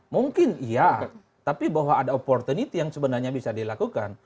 mungkin iya tapi bahwa ada opportunity yang sebenarnya bisa dilakukan